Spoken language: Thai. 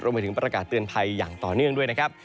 ไปถึงประกาศเตือนภัยอย่างต่อเนื่องด้วยนะครับ